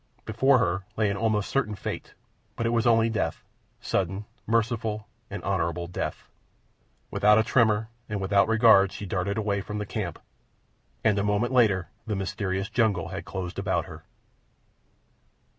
Before her lay an almost certain fate—but it was only death—sudden, merciful, and honourable death. Without a tremor and without regret she darted away from the camp, and a moment later the mysterious jungle had closed about her.